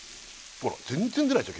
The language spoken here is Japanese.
ほら全然出ないでしょ